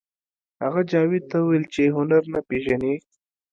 هغه جاوید ته وویل چې هنر نه پېژنئ